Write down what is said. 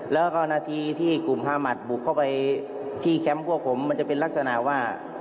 แล้วก็นาทีที่กลุ่มฮามัดบุกเข้าไปที่แคมป์พวกผมมันจะเป็นลักษณะว่า